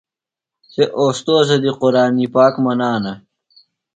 سےۡ استوذہ دی قرآنی پاک منانہ۔